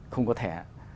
không có thẻ